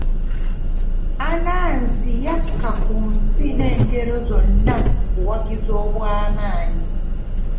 Anansi yakka ku nsi n'engero zonna mu buwanguzi obw'amaanyi.